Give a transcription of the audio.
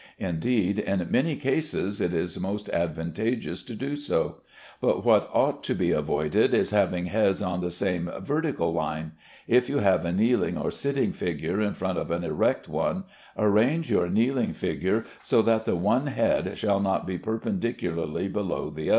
Indeed, in many cases it is most advantageous to do so; but what ought to be avoided is having heads on the same vertical line. If you have a kneeling or sitting figure in front of an erect one, arrange your kneeling figure so that the one head shall not be perpendicularly below the other.